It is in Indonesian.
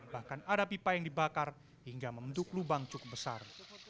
bahkan ada pipa yang dibakar hingga membentuk lubang cukup besar